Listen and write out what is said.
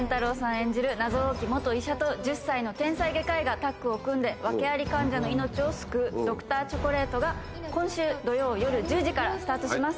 演じる謎多き元医者と１０歳の天才外科医がタッグを組んで、訳あり患者の命を救うドクターチョコレートが、今週土曜夜１０時からスタートします。